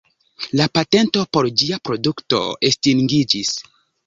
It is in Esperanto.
La patento por ĝia produkto estingiĝis.